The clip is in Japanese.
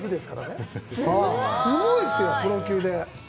すごいっすよ、プロ級で。